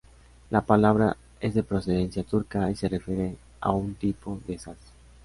La palabra es de procedencia turca y se refiere a un tipo de "saz".